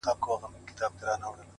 ته دي ټپه په اله زار پيل کړه!!